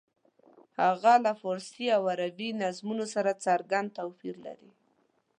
هغه له فارسي او عربي نظمونو سره څرګند توپیر لري.